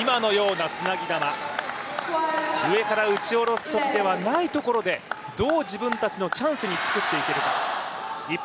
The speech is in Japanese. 今のようなつなぎ球、上から打ち下ろすときではないところでどう自分たちのチャンスに作っていけるか。